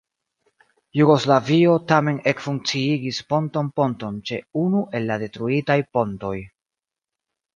Jugoslavio tamen ekfunkciigis pontonponton ĉe unu el la detruitaj pontoj.